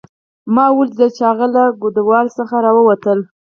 ما ولیدله چې هغه له ګودال څخه راووتله